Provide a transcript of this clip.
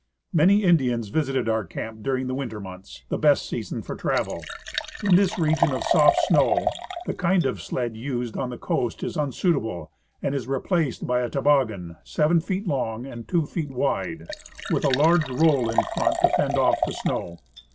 Many Indians visited our camp during the winter months, the best season for travel. In this region of soft snow the kind of sled used on the coast is unsuitable, and is rej^laced by a to boggan seven feet long and two feet wide, with a large roll in front to fend off the snow.